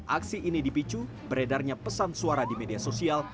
aksi ini dipicu beredarnya pesan suara di media sosial